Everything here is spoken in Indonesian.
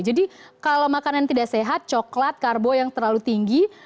kalau makanan tidak sehat coklat karbo yang terlalu tinggi